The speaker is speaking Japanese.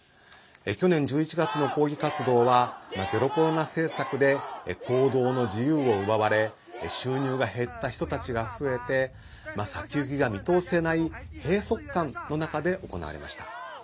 去年１１月の抗議活動はゼロコロナ政策で行動の自由を奪われ収入が減った人たちが増えて先行きが見通せない閉塞感の中で行われました。